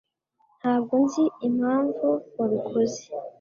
ntabwo nzi impamvu wabikoze